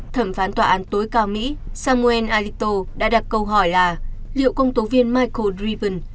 thẩm phán tòa án tối cao mỹ samuel alito đã đặt câu hỏi là liệu công tố viên michael drieben